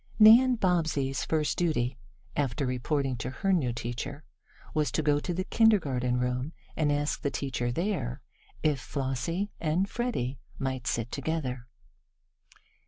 Nan Bobbsey's first duty, after reporting to her new teacher, was to go to the kindergarten room, and ask the teacher there if Flossie and Freddie might sit together.